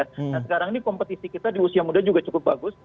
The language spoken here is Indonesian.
nah sekarang ini kompetisi kita di usia muda juga cukup bagus